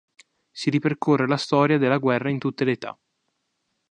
Si ripercorre la storia della guerra in tutte le età.